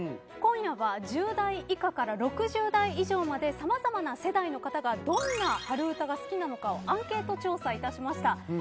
今夜は１０代以下から６０代以上まで様々な世代の方がどんな春うたが好きなのかをアンケート調査いたしました。